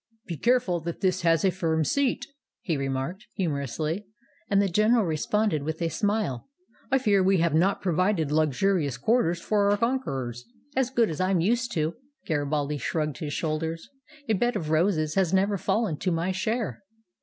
"Be careful that it has a firm seat," he remarked humorously; and the general responded with a smile, "I fear we have not provided luxurious quarters for our conquerors." "As good as I am used to." Garibaldi shrugged his shoulders, "A bed of roses has never fallen to my share."